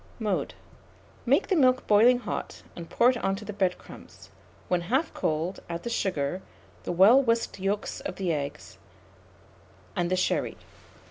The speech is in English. Mode. Make the milk boiling hot, and pour it on to the bread crumbs; when half cold, add the sugar, the well whisked yolks of the eggs, and the sherry.